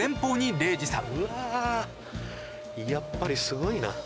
うわやっぱりすごいな。